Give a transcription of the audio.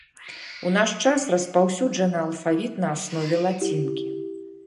У наш час распаўсюджаны алфавіт на аснове лацінкі.